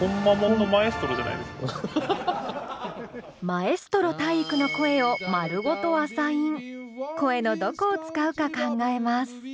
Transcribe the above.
マエストロ体育の声を声のどこを使うか考えます。